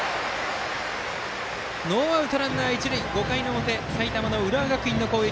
ノーアウトランナー、一塁５回表、埼玉の浦和学院の攻撃。